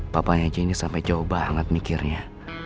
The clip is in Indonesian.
papanya jane sampai jauh banget mikirnya